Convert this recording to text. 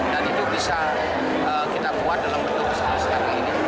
dan itu bisa kita buat dalam bentuk besar sekarang ini